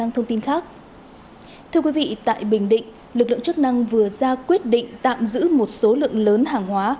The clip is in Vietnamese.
thưa quý vị tại bình định lực lượng chức năng vừa ra quyết định tạm giữ một số lượng lớn hàng hóa